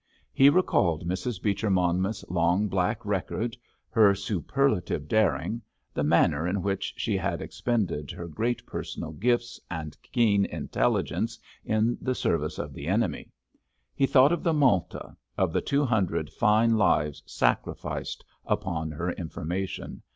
He recalled Mrs. Beecher Monmouth's long, black record, her superlative daring, the manner in which she had expended her great personal gifts and keen intelligence in the service of the enemy. He thought of the Malta—of the two hundred fine lives sacrificed upon her information.